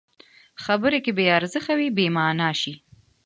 خبرې که بې ارزښته وي، بېمانا شي.